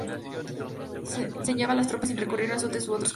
Se enseñaba a las tropas sin recurrir a azotes u otros castigos.